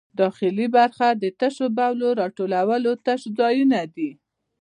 داخلي برخه د تشو بولو د راټولولو تش ځایونه دي.